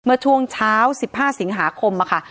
เมื่อช่วงเช้าสิบห้าสิงหาคมอะคะ